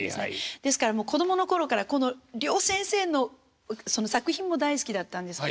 ですから子供の頃からこの両先生の作品も大好きだったんです。